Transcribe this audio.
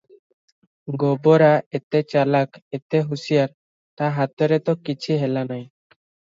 ଗୋବରା ଏତେ ଚାଲାଖ, ଏତେ ହୁସିଆର, ତା ହାତରେ ତ କିଛି ହେଲା ନାହିଁ ।